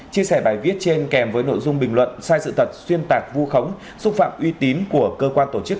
chia sẻ bài viết trên kèm với nội dung bình luận sai sự thật xuyên tạc vu khống xúc phạm uy tín của cơ quan tổ chức